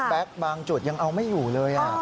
บิ๊กแบบบางจุดสักอย่างยังเอาไม่อยู่เลย